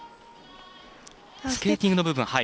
スケーティングの部分。